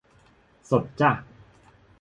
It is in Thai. สดจ้ะ